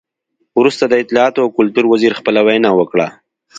وروسته د اطلاعاتو او کلتور وزیر خپله وینا وکړه.